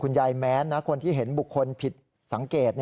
ยายแม้นคนที่เห็นบุคคลผิดสังเกต